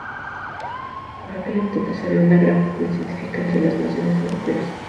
Por aquel entonces había una gran pugna científica entre las naciones europeas.